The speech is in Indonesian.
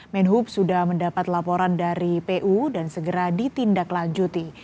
menhub sudah mendapat laporan dari pu dan segera ditindaklanjuti